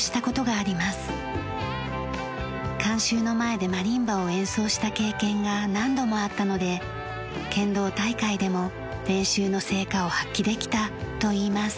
観衆の前でマリンバを演奏した経験が何度もあったので剣道大会でも練習の成果を発揮できたといいます。